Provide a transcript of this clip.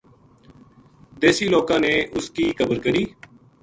دیسی لوکاں نے اس کی قبر کری